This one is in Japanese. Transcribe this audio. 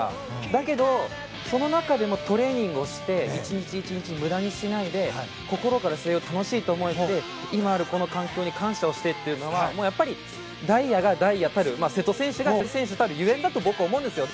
だけど、その中でもトレーニングをして１日１日無駄にしないで心から水泳を楽しいと思って今ある環境に感謝をしてというのは大也が大也たる瀬戸選手が瀬戸選手たるゆえんだと僕、思うんですよ。